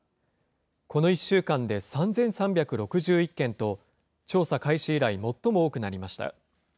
この１週間で３３６１件と、調査開始以来、最も多くなりました。